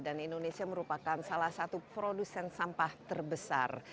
dan indonesia merupakan salah satu produsen sampah terbesar